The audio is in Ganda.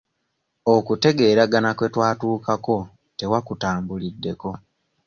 Okutegeeragana kwe twatuukako tewakutambuliddeko.